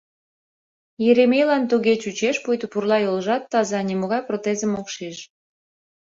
Еремейлан туге чучеш, пуйто пурла йолжат таза — нимогай протезым ок шиж.